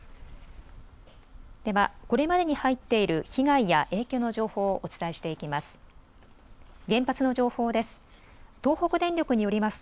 これまでに入っている被害や影響の情報をお伝えしていきます。